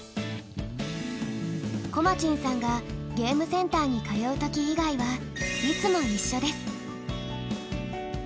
コマチンさんがゲームセンターに通うとき以外はいつも一緒です。